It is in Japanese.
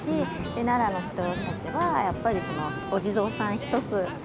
奈良の人たちはやっぱりお地蔵さん一つ守っていく。